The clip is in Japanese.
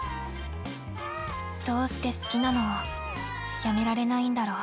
どうして好きなのをやめられないんだろう？